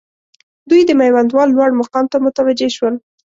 دوی د میوندوال لوړ مقام ته متوجه شول.